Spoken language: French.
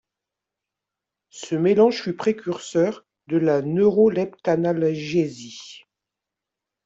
Ce mélange fut précurseur de la neuroleptanalgésie.